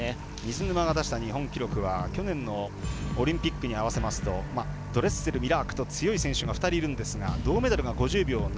水沼が出した日本記録は去年のオリンピックに合わせるとドレッセル、ミラークと強い選手が２人いるんですが銅メダルが５０秒７４。